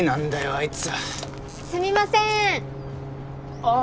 あいつはすみませんああ